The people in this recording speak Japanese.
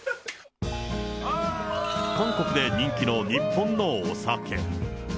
韓国で人気の日本のお酒。